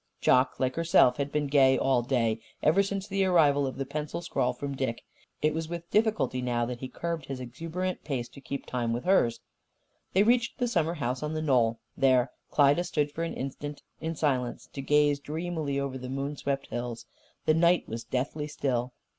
Jock, like herself, had been gay all day; ever since the arrival of the pencil scrawl from Dick. It was with difficulty now that he curbed his exuberant pace to keep time with hers. They reached the summer house on the knoll. There, Klyda stood for an instant in silence, to gaze dreamily over the moon swept hills. The night was deathly still.